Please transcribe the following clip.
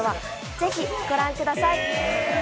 ぜひご覧ください。